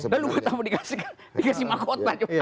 lalu ketemu dikasih angkot